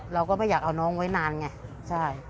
เราก็ไม่อยากเอาน้องไว้นานไงใช่